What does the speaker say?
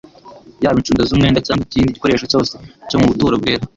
yaba inshunda z'umwenda cyangwa ikindi gikoresho cyose cyo mu buturo bwera.